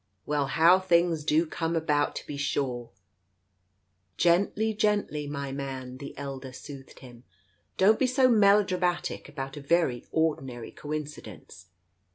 Well, how things do come about, to be sure !" "Gently, gently 1 my man," the elder soothed him. "Don't be so melodramatic about a very ordinary co incidence.